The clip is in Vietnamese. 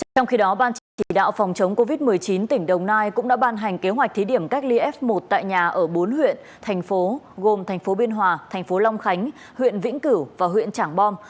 trong khi đó ban chỉ đạo phòng chống covid một mươi chín tỉnh đồng nai cũng đã ban hành kế hoạch thí điểm cách ly f một tại nhà ở bốn huyện thành phố gồm thành phố biên hòa thành phố long khánh huyện vĩnh cửu và huyện trảng bom